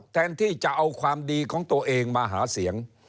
แทนที่จะเอาความดีของตัวเองมาหาเสียง